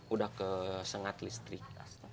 udah ke sengat listrik